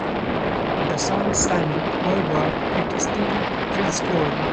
The sun is shining, however, it still feels cold.